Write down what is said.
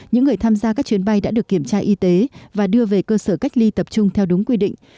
những người tham gia các chuyến bay đã được kiểm tra y tế và đưa về cơ sở cách ly tập trung theo đúng quy định